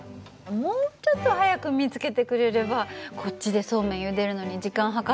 もうちょっと早く見つけてくれればこっちでそうめんゆでるのに時間計ってたのに。